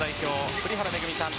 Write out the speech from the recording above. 栗原恵さん